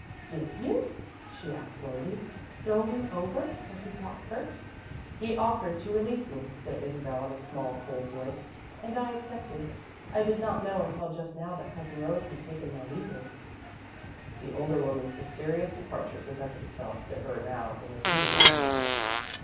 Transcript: "Did you?" she asked, slowly, "throw him over because he got hurt?" "He offered to release me," said Isabel, in a small, cold voice, "and I accepted. I did not know until just now that Cousin Rose had taken my leavings." The older woman's mysterious departure presented itself to her now in a new light.